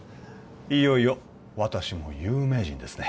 いよいよ私も有名人ですね